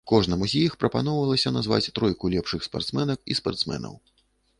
Кожнаму з іх прапаноўвалася назваць тройку лепшых спартсменак і спартсменаў.